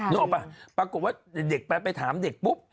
ถูกปรากฏว่าเด็กไปถามเด็กปุ๊บ